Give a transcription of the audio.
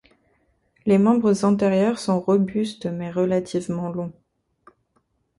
Les membres antérieurs sont robustes mais relativement longs.